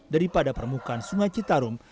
daripada permukaan sungai citarum